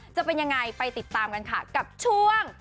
จะเป็นยังไงไปติดตามกันค่ะกับช่วง